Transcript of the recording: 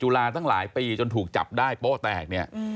จุฬาตั้งหลายปีจนถูกจับได้โป้แตก